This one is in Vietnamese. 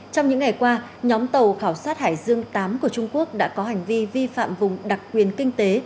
trong những ngày qua nhóm tàu khảo sát hải dương viii của trung quốc đã có hành vi vi phạm vùng đặc quyền kinh tế